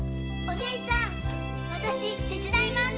おねえさん私手伝います。